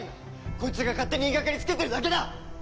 こいつが勝手に言いがかりつけてるだけだ！